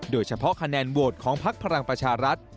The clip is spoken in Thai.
โดยเฉพาะคะแนนโวทธ์ของภักดิ์พลังประชารัฐ